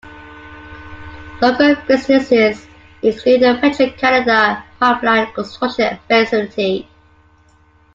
Local businesses include a Petro-Canada pipeline construction facility.